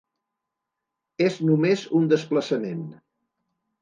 És només un desplaçament.